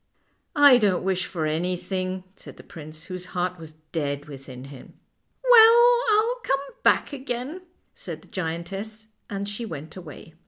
" I don't wish for anything," said the prince, whose heart was dead within him. " Well, I'll come back again," said the giantess, and she went away.